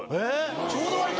ちょうど割れた？